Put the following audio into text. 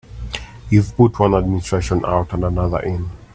You've put one administration out and another in.